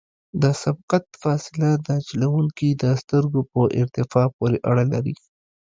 د سبقت فاصله د چلوونکي د سترګو په ارتفاع پورې اړه لري